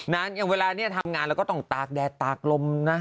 อย่างเวลานี้ทำงานเราก็ต้องตากแดดตากลมนะ